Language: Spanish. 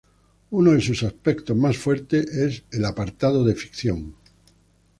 Uno de sus aspectos más fuertes el apartado de ficción.